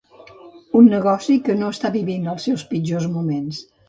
Un negoci que no està vivint els seus pitjors moments.